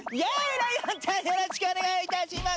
ライオンちゃんよろしくお願いいたします。